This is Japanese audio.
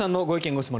・ご質問